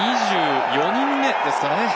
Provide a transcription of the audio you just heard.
２４人目ですかね。